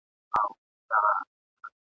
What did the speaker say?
افغانانو د وطن د ساتني نیت کاوه.